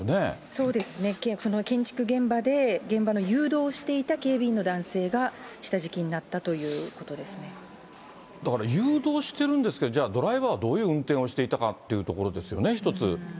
そうですね、その建築現場で、現場の誘導をしていた警備員の男性が下敷きになったということでだから、誘導してるんですけど、じゃあ、ドライバーはどういう運転をしていたかなというところですよね、一つ。